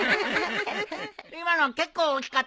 今の結構大きかっただろ？